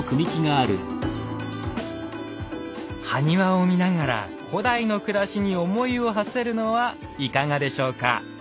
埴輪を見ながら古代の暮らしに思いをはせるのはいかがでしょうか？